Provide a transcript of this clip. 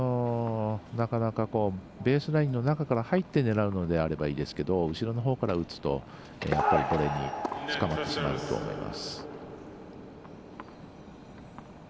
ベースラインの中に入って狙うのであればいいですけど後ろのほうから打つと、ボレーに捕まってしまうと思います。